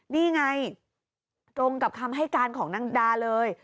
นี่ไงตรงกับคำให้การของนางดาเลย